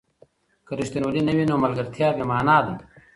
که ریښتینولي نه وي، نو ملګرتیا بې مانا ده.